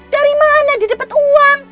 dari mana dia dapat uang